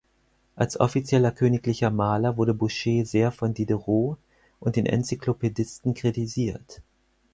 Als offizieller königlicher Maler wurde Boucher sehr von Diderot und den Enzyklopädisten kritisiert.